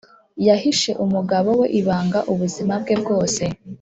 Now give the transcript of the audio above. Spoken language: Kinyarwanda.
yahishe umugabo we ibanga ubuzima bwe bwose.